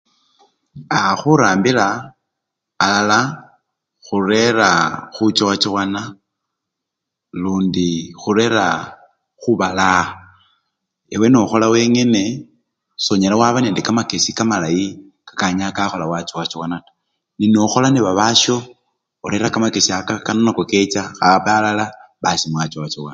Aa! khurambila alala khurera khuchowachowana lundi khurera khubalaa, ewe nokhola wengene, sonyala waba nende kamakesi kamalayi kakanyala wakhola wachowachowana taa nenokhola nebabasyo, orera kamakesi, kano nako kecha kaba alala basi mwachowa chowana.